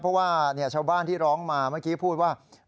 เพราะว่าชาวบ้านที่ร้องมาเมื่อกี้พูดว่า